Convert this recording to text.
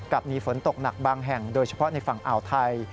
มีฝนตกหนักบางแห่งโดยเฉพาะในฝั่งอ่าวไทย